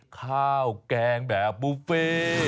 ข้าวแกงแบบบุฟเฟ่